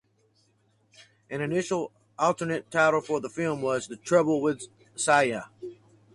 An initial alternate title for the film was "The Trouble with Siya".